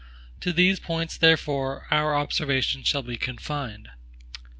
To these points, therefore, our observations shall be confined.